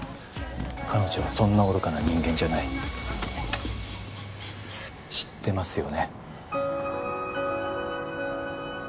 彼女はそんな愚かな人間じゃない知ってますよね？